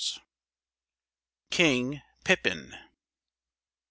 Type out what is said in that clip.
KING PIPPIN.